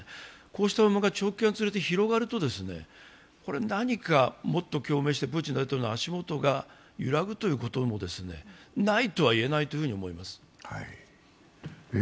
こうした不満が長期化につれて膨らむと何かもっと共鳴して、プーチン大統領の足元が揺らぐということも、ないとはいえないと思います。